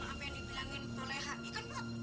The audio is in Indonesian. maaf yang dibilangin oleh hb kan pot